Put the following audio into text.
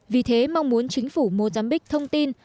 vì thế mong muốn chính phủ mozambique thông tin